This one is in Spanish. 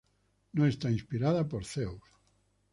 No está inspirada por Dios".